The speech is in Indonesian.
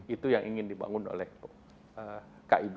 itu yang ingin dibangun oleh kib